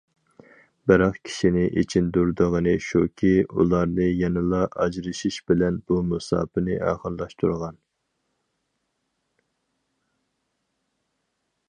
بىراق كىشىنى ئېچىندۇرىدىغىنى شۇكى ئۇلارنى يەنىلا ئاجرىشىش بىلەن بۇ مۇساپىنى ئاخىرلاشتۇرغان.